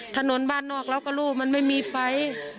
ถนนบ้านนอกเราก็รู้มันไม่มีไฟ